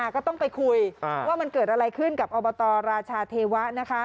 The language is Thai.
ก็ต้องไปคุยว่ามันเกิดอะไรขึ้นกับอบตราชาเทวะ